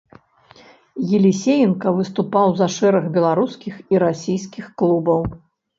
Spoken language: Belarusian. Елісеенка выступаў за шэраг беларускіх і расійскіх клубаў.